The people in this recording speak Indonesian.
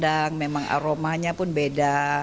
memang buat rendang memang aromanya pun beda